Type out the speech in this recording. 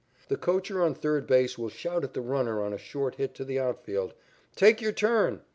The coacher on third base will shout at the runner on a short hit to the outfield, "Take your turn!"